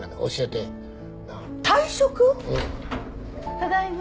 ただいま。